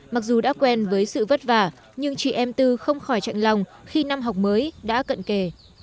mặc dù đã quen với sự vất vả nhưng chị em tư không khỏi chạy lòng khi năm học mới đã cận kề